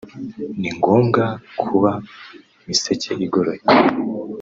ni ngombwa kuba miseke igoroye